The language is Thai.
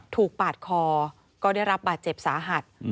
ปาดคอก็ได้รับบาดเจ็บสาหัส